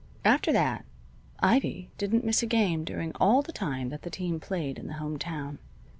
After that Ivy didn't miss a game during all the time that the team played in the home town.